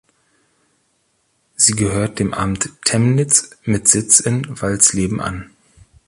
Sie gehört dem Amt Temnitz mit Sitz in Walsleben an.